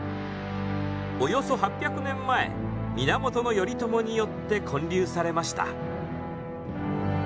およそ８００年前源頼朝によって建立されました。